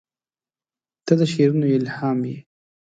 • ته د شعرونو الهام یې.